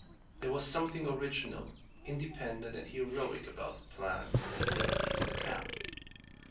There was something original, independent, and heroic about the plan that pleased the camp.